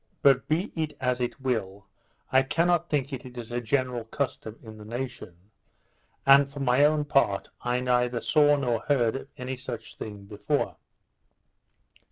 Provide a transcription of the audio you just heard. But be it as it will, I cannot think it is a general custom in the nation; and, for my own part, I neither saw nor heard of any such thing before.